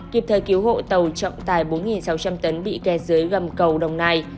kịp thời cứu hộ tàu trọng tài bốn sáu trăm linh tấn bị kè dưới gầm cầu đồng nai